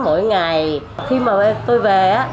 mỗi ngày khi mà tôi về